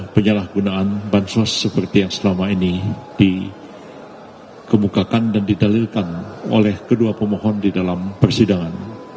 penyalahgunaan bansos seperti yang selama ini dikemukakan dan didalilkan oleh kedua pemohon di dalam persidangan